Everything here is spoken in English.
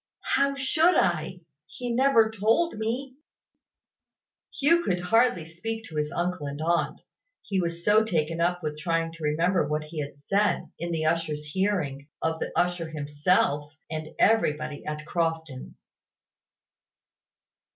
"How should I? He never told me." Hugh could hardly speak to his uncle and aunt, he was so taken up with trying to remember what he had said, in the usher's hearing, of the usher himself, and everybody at Crofton.